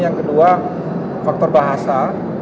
yang kedua faktor bahasa